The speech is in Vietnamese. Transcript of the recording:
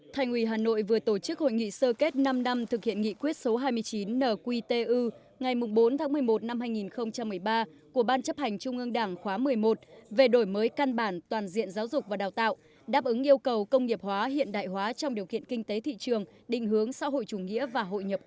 thành ủy hà nội vừa tổ chức hội nghị sơ kết năm năm thực hiện nghị quyết số hai mươi chín nqtu ngày bốn tháng một mươi một năm hai nghìn một mươi ba của ban chấp hành trung ương đảng khóa một